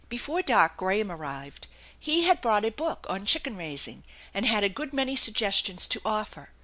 Before dark Graham arrived. He had brought a book on chicken raising and had a good many suggestions to offer.